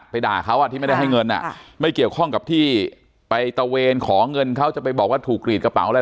ด่าเขาอ่ะที่ไม่ได้ให้เงินไม่เกี่ยวข้องกับที่ไปตะเวนขอเงินเขาจะไปบอกว่าถูกกรีดกระเป๋าอะไร